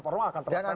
orang akan terlaksana